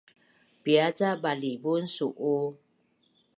Pia ca balivun su’u?